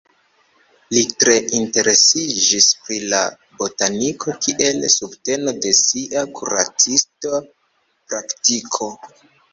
Li tre interesiĝis pri la botaniko kiel subteno de sia kuracista praktiko.